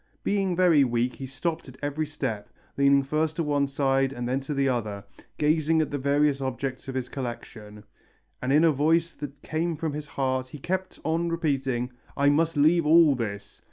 Being very weak he stopped at every step, leaning first to one side and then to the other; gazing at the various objects of his collection, and in a voice that came from his heart, he kept on repeating 'I must leave all this!